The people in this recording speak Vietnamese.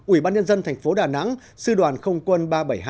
ủy ban nhân dân thành phố đà nẵng sư đoàn không quân ba trăm bảy mươi hai